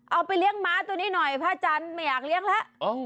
เอาไปเลี้ยงม้าตัวนี้หน่อยพระอาจารย์ไม่อยากเลี้ยงแล้ว